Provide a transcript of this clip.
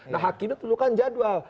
nah hakim itu itu kan jadwal